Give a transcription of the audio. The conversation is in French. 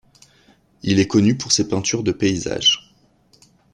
Il est connu pour ses peintures de paysages.